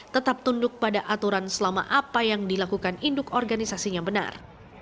tetap tunduk pada aturan selama apa yang dilakukan induk organisasinya benar